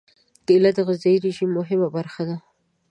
کېله د غذايي رژیم مهمه برخه ده.